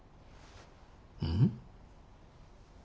うん？